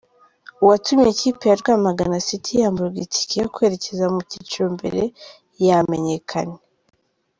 Uwatumye ikipe ya Rwamagana city yamburwa itike yo kwerekeza mu cyiciro mbere yamenyekanye.